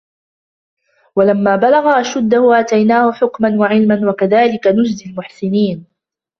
ولما بلغ أشده آتيناه حكما وعلما وكذلك نجزي المحسنين